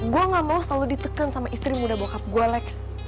gue gak mau selalu ditekan sama istri muda boc cup gue lex